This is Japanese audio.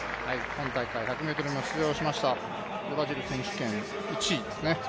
今大会、１００ｍにも出場しましたブラジル選手権１位ですね。